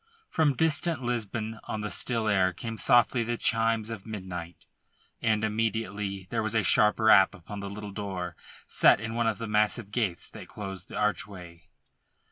From distant Lisbon on the still air came softly the chimes of midnight, and immediately there was a sharp rap upon the little door set in one of the massive gates that closed the archway.